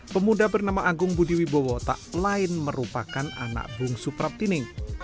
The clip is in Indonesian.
pemuda bernama agung budi wibowo tak lain merupakan anak bungsu praptining